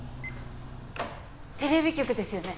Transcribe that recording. テレビ局ですよね？